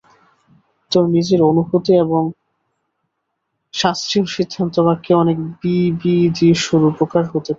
তোর নিজের অনুভূতি এবং শাস্ত্রীয় সিদ্ধান্তবাক্যে অনেক বিবিদিষুর উপকার হতে পারে।